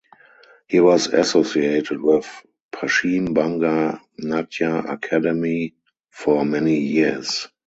He was associated with Paschim Banga Natya Akademi for many years.